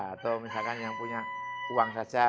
atau misalkan yang punya uang saja